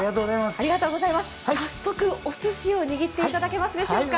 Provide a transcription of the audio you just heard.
早速、おすしを握っていただけますでしょうか？